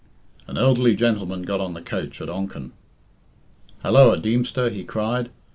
An elderly gentleman got on the coach at Onchan. "Helloa, Deemster!" he cried.